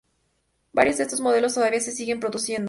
Varios de estos modelos todavía se siguen produciendo.